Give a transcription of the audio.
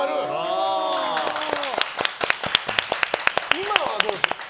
今はどうですか？